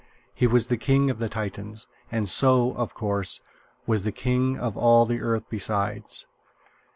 He was the king of the Titans, and so, of course, was the king of all the earth besides.